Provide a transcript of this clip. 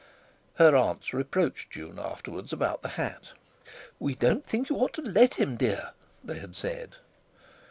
Her aunts reproached June afterwards about the hat. "We don't think you ought to let him, dear!" they had said.